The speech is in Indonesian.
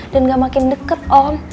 dan gak makin deket om